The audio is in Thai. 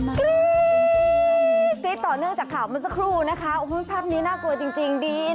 กรี๊ดต่อเนื่องจากข่าวมันสักครู่นะคะภาพนี้น่ากลัวจริงจริงดี